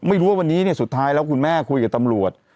ไม่รู้ว่าวันนี้เนี่ยสุดท้ายแล้วคุณแม่คุยกับตำรวจ